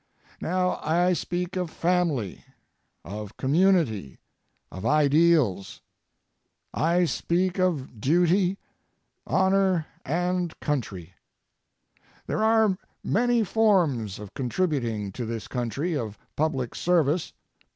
Now, I speak of family, of community, of ideals. I speak of duty, honor, country. There are many forms of contributing to this country, of public service.